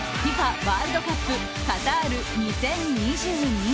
ワールドカップカタール２０２２。